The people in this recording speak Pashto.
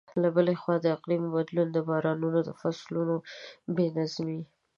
له بلې خوا، د اقلیم بدلون د بارانونو د فصلونو بې نظمۍ.